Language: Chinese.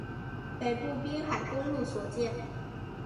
北部滨海公路所见